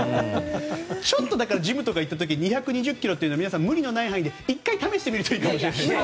ちょっとジムに行った時に２２０ｋｇって皆さん、無理のない範囲で１回試してみるといいかも。